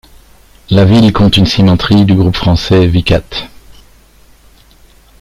La ville compte une cimenterie du groupe français Vicat.